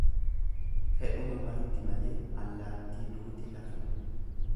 Fedhuma marti malee, allaatti duuti lafuma.